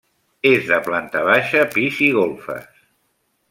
És de planta baixa, pis i golfes.